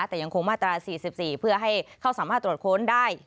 แต่ยังคงมาตรา๔๔เพื่อให้เขาสามารถตรวจค้นได้